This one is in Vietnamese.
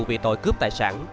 vì tội cướp tài sản